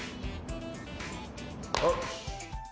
よし！